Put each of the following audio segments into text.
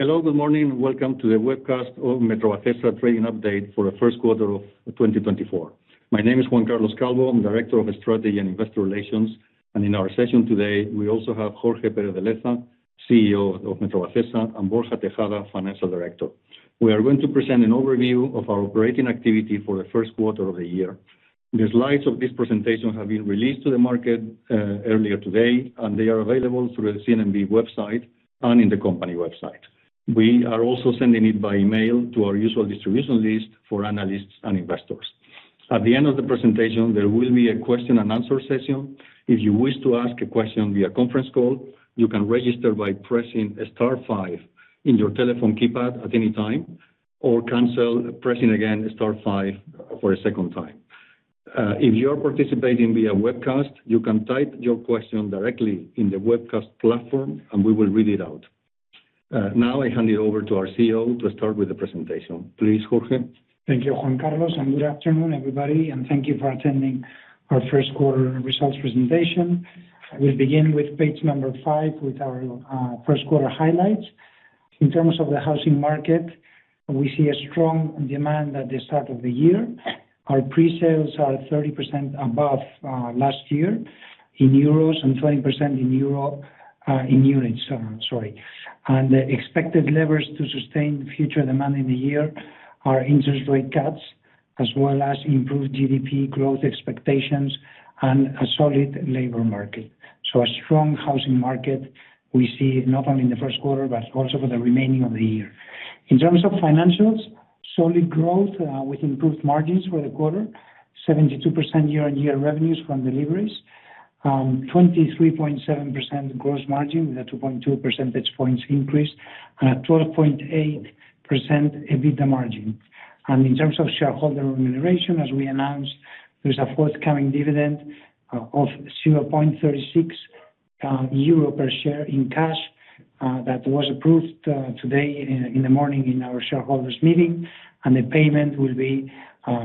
Hello, good morning, and welcome to the webcast of Metrovacesa Trading Update for the First Quarter of 2024. My name is Juan Carlos Calvo. I'm Director of Strategy and Investor Relations, and in our session today, we also have Jorge Pérez de Leza, CEO of Metrovacesa, and Borja Tejada, Financial Director. We are going to present an overview of our operating activity for the first quarter of the year. The slides of this presentation have been released to the market earlier today, and they are available through the CNMV website and in the company website. We are also sending it by email to our usual distribution list for analysts and investors. At the end of the presentation, there will be a question and answer session. If you wish to ask a question via conference call, you can register by pressing star five in your telephone keypad at any time, or cancel, pressing again star five for a second time. If you are participating via webcast, you can type your question directly in the webcast platform, and we will read it out. Now, I hand it over to our CEO to start with the presentation. Please, Jorge. Thank you, Juan Carlos, and good afternoon, everybody, and thank you for attending our first quarter results presentation. We begin with page number 5 with our first quarter highlights. In terms of the housing market, we see a strong demand at the start of the year. Our pre-sales are 30% above last year in euros, and 20% in euro in units, sorry. And the expected levers to sustain the future demand in the year are interest rate cuts, as well as improved GDP growth expectations and a solid labor market. So a strong housing market we see not only in the first quarter, but also for the remaining of the year. In terms of financials, solid growth, with improved margins for the quarter, 72% year-on-year revenues from deliveries, 23.7% gross margin, with a 2.2 percentage points increase, and a 12.8% EBITDA margin. In terms of shareholder remuneration, as we announced, there's a forthcoming dividend of 0.36 euro per share in cash that was approved today in the morning in our shareholders' meeting, and the payment will be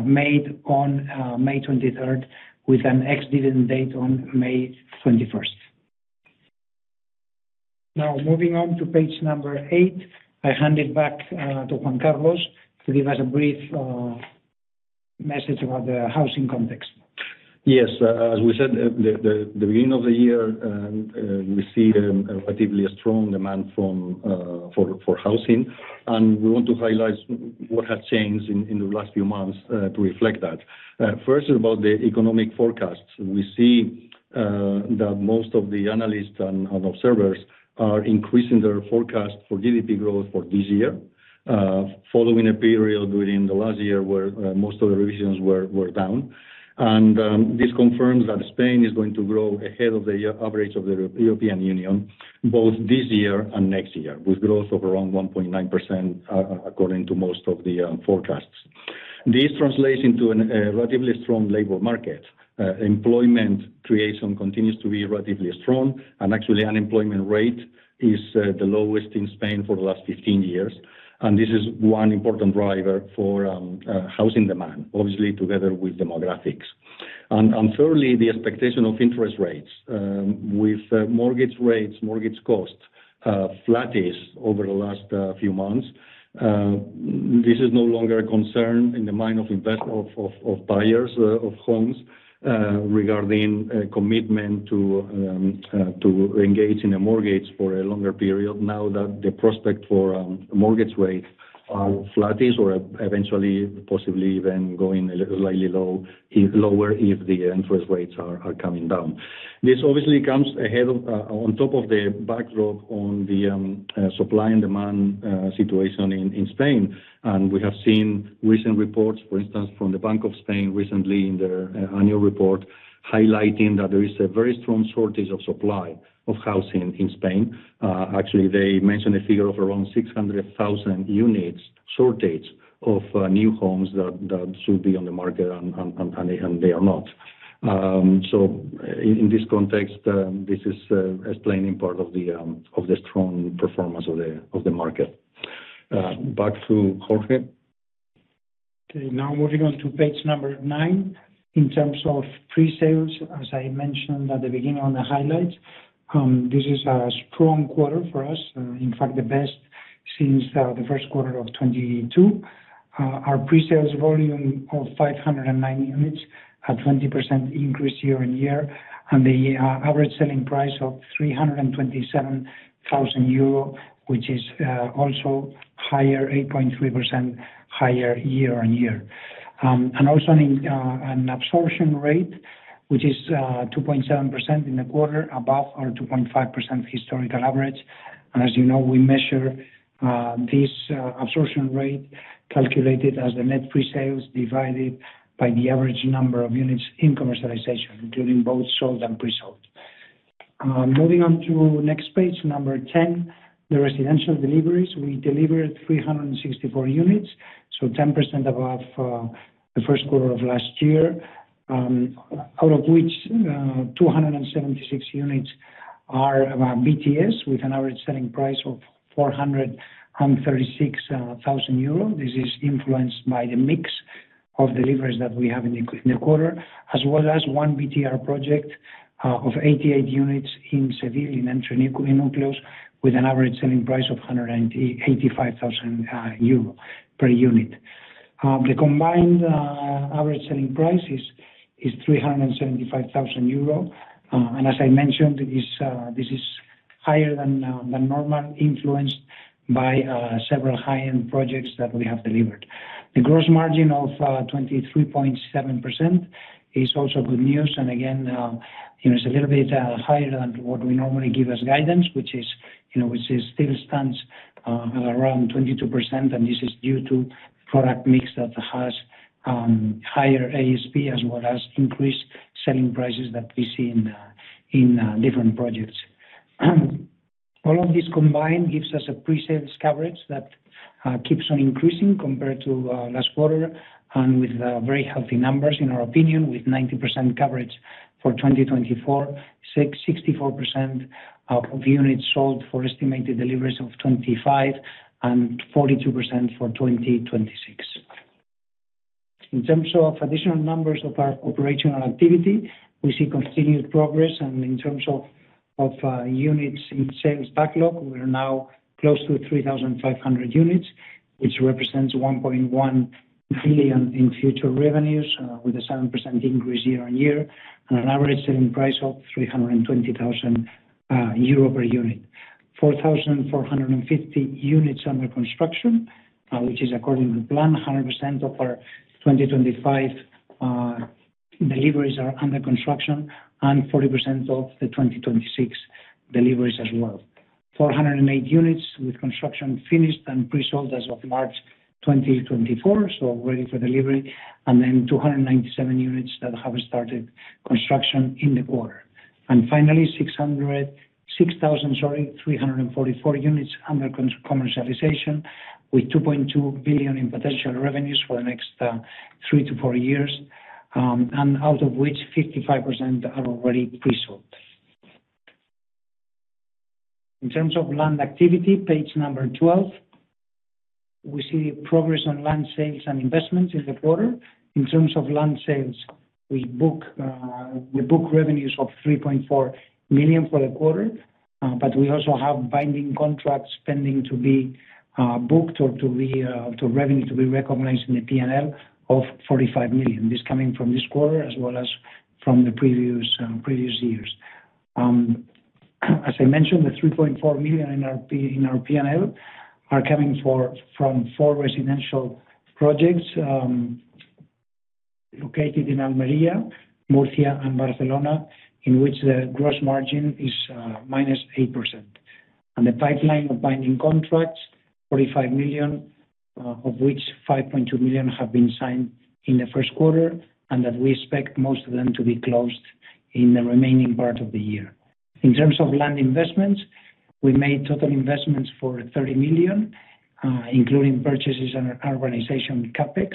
made on May 23rd, with an ex-dividend date on May 21st. Now, moving on to page number eight, I hand it back to Juan Carlos to give us a brief message about the housing context. Yes. As we said, at the beginning of the year, we see a relatively strong demand for housing. And we want to highlight what has changed in the last few months to reflect that. First, about the economic forecasts. We see that most of the analysts and observers are increasing their forecast for GDP growth for this year, following a period during the last year where most of the revisions were down. And this confirms that Spain is going to grow ahead of the average of the European Union, both this year and next year, with growth of around 1.9%, according to most of the forecasts. This translates into a relatively strong labor market. Employment creation continues to be relatively strong, and actually, unemployment rate is the lowest in Spain for the last 15 years. And this is one important driver for housing demand, obviously, together with demographics. And thirdly, the expectation of interest rates. With mortgage rates, mortgage costs flattish over the last few months, this is no longer a concern in the mind of investors or buyers of homes regarding a commitment to engage in a mortgage for a longer period now that the prospect for mortgage rates are flattish or eventually, possibly even going a little slightly lower, if the interest rates are coming down. This obviously comes ahead on top of the backdrop on the supply and demand situation in Spain. We have seen recent reports, for instance, from the Bank of Spain recently in their annual report, highlighting that there is a very strong shortage of supply of housing in Spain. Actually, they mentioned a figure of around 600,000 units, shortage of new homes that should be on the market and they are not. In this context, this is explaining part of the strong performance of the market. Back to Jorge. Okay, now moving on to page number nine. In terms of pre-sales, as I mentioned at the beginning on the highlights, this is a strong quarter for us, in fact, the best since the first quarter of 2022. Our pre-sales volume of 590 units, a 20% increase year-on-year, and the average selling price of 327,000 euro, which is also higher, 8.3% higher year-on-year. And also an absorption rate, which is 2.7% in the quarter, above our 2.5% historical average. And as you know, we measure this absorption rate, calculated as the net pre-sales divided by the average number of units in commercialization, including both sold and pre-sold. Moving on to next page, 10, the residential deliveries. We delivered 364 units, so 10% above the first quarter of last year. Out of which, 276 units are BTS, with an average selling price of 436,000 euros. This is influenced by the mix of deliveries that we have in the quarter, as well as one BTR project of 88 units in Seville, in Entrenúcleos, with an average selling price of 185,000 euro per unit. The combined average selling price is 375,000 euro, and as I mentioned, this is higher than normal, influenced by several high-end projects that we have delivered. The gross margin of 23.7% is also good news. And again, you know, it's a little bit higher than what we normally give as guidance, which is, you know, which is still stands around 22%, and this is due to product mix that has higher ASP, as well as increased selling prices that we see in in different projects. All of this combined gives us a pre-sales coverage that keeps on increasing compared to last quarter, and with very healthy numbers, in our opinion, with 90% coverage for 2024, 64% of units sold for estimated deliveries of 2025, and 42% for 2026. In terms of additional numbers of our operational activity, we see continued progress, and in terms of units in sales backlog, we are now close to 3,500 units, which represents 1.1 billion in future revenues, with a 7% increase year-on-year, and an average selling price of 320,000 euro per unit. 4,450 units under construction, which is according to plan. 100% of our 2025 deliveries are under construction, and 40% of the 2026 deliveries as well. 408 units with construction finished and pre-sold as of March 2024, so waiting for delivery, and then 297 units that have started construction in the quarter. And finally, 6,344 units under commercialization, with 2.2 billion in potential revenues for the next 3-4 years, and out of which 55% are already pre-sold. In terms of land activity, page 12, we see progress on land sales and investments in the quarter. In terms of land sales, we book revenues of 3.4 million for the quarter, but we also have binding contracts pending to be booked or to revenue to be recognized in the P&L of 45 million. This coming from this quarter as well as from the previous years. As I mentioned, the 3.4 million in our P&L are coming from four residential projects, located in Almería, Murcia, and Barcelona, in which the gross margin is -8%. The pipeline of binding contracts, 45 million, of which 5.2 million have been signed in the first quarter, and that we expect most of them to be closed in the remaining part of the year. In terms of land investments, we made total investments for 30 million, including purchases and urbanization CapEx.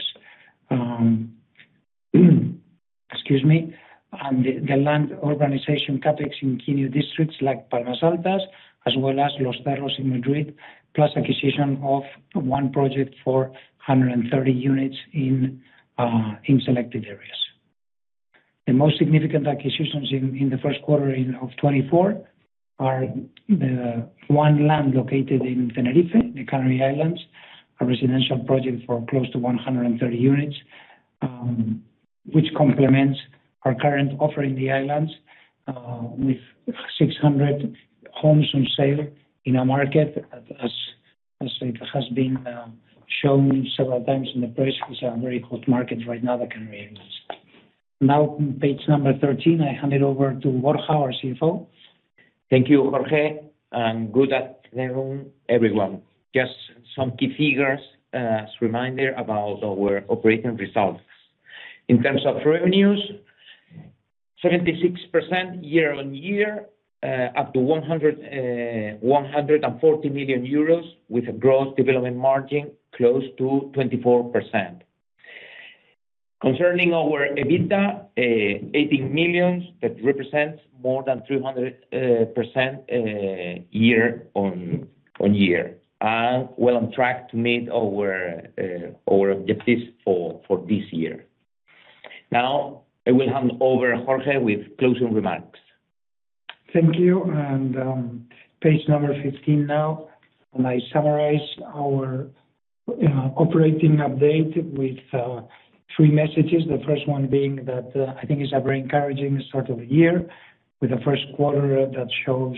Excuse me, and the land urbanization CapEx in key new districts like Palmas Altas, as well as Los Cerros in Madrid, plus acquisition of one project for 130 units in selected areas. The most significant acquisitions in the first quarter of 2024 are one land located in Tenerife, the Canary Islands, a residential project for close to 130 units, which complements our current offer in the islands with 600 homes on sale in a market, as it has been shown several times in the press, which are very hot markets right now, the Canary Islands. Now, page 13, I hand it over to Borja, our CFO. Thank you, Jorge, and good afternoon, everyone. Just some key figures as a reminder about our operating results. In terms of revenues, 76% year-on-year up to 140 million euros, with a gross development margin close to 24%. Concerning our EBITDA, 80 million, that represents more than 300% year-on-year, and well on track to meet our objectives for this year. Now, I will hand over to Jorge with closing remarks. Thank you. And, page number 15 now. And I summarize our operating update with three messages. The first one being that I think it's a very encouraging start of the year, with a first quarter that shows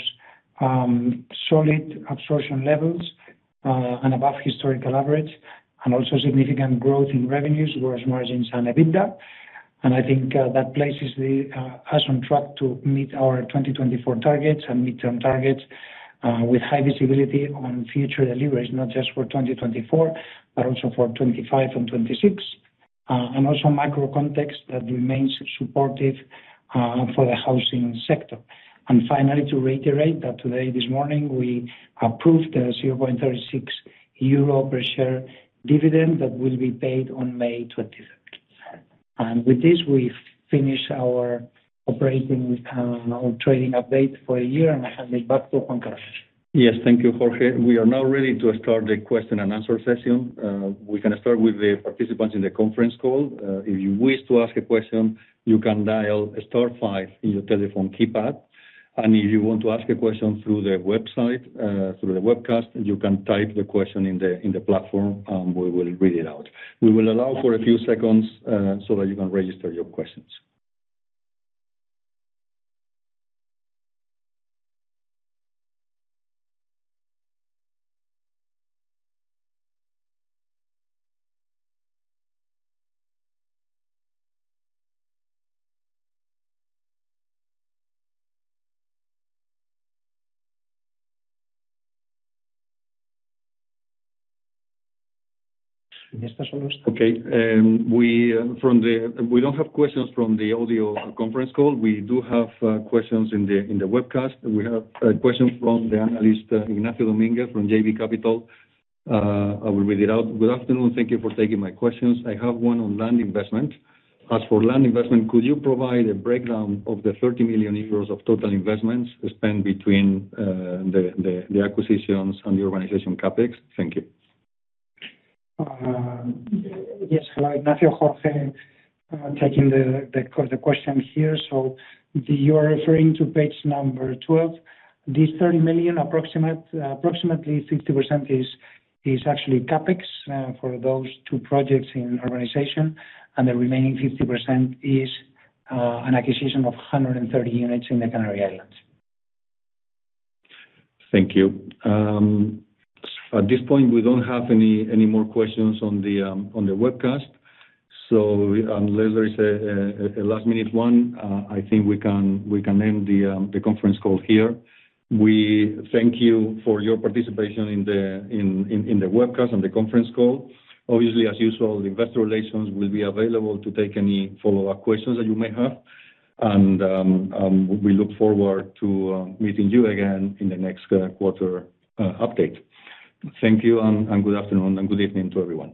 solid absorption levels and above historical average, and also significant growth in revenues, gross margins, and EBITDA. And I think that places us on track to meet our 2024 targets and midterm targets with high visibility on future deliveries, not just for 2024, but also for 2025 and 2026. And also macro context that remains supportive for the housing sector. And finally, to reiterate that today, this morning, we approved a 0.36 euro per share dividend that will be paid on May 23rd. With this, we've finished our operating, our trading update for the year, and I hand it back to Juan Carlos. Yes, thank you, Jorge. We are now ready to start the question and answer session. We're gonna start with the participants in the conference call. If you wish to ask a question, you can dial star five in your telephone keypad. And if you want to ask a question through the website, through the webcast, you can type the question in the platform, and we will read it out. We will allow for a few seconds, so that you can register your questions. Okay, we don't have questions from the audio conference call. We do have questions in the webcast. We have a question from the analyst, Ignacio Domínguez, from JB Capital. I will read it out. Good afternoon, thank you for taking my questions. I have one on land investment. As for land investment, could you provide a breakdown of the 30 million euros of total investments spent between the acquisitions and the urbanization CapEx? Thank you. Yes, hello, Ignacio, Jorge, taking the question here. So you're referring to page number 12. This 30 million approximately 50% is actually CapEx for those two projects in urbanization, and the remaining 50% is an acquisition of 130 units in the Canary Islands. Thank you. At this point, we don't have any more questions on the webcast, so unless there is a last-minute one, I think we can end the conference call here. We thank you for your participation in the webcast and the conference call. Obviously, as usual, the investor relations will be available to take any follow-up questions that you may have. We look forward to meeting you again in the next quarter update. Thank you, and good afternoon, and good evening to everyone.